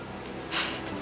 gue juga gak suka sama niu